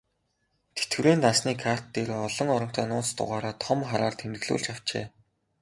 Тэтгэврийн дансны карт дээрээ олон оронтой нууц дугаараа том хараар тэмдэглүүлж авчээ.